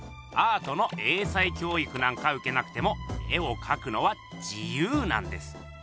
アートの英才教育なんかうけなくても絵をかくのは自由なんです。